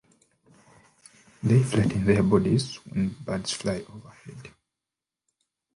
They flatten their bodies when birds fly overhead.